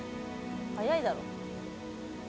「早いだろ」